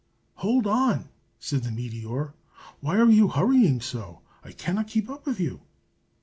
"Hold on!" said the meteor. "Why are you hurrying so? I cannot keep up with you."